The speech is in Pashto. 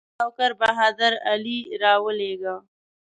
خپل نوکر بهادر علي راولېږه.